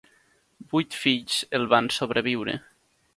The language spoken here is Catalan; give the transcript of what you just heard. Vuit fills el van sobreviure.